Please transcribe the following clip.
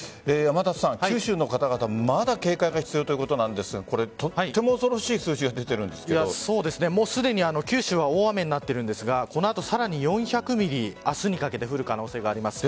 九州の方々まだ警戒が必要ということなんですがとても恐ろしい数字がすでに九州は大雨になっているんですがこの後さらに４００ｍｍ明日にかけて降る可能性があります。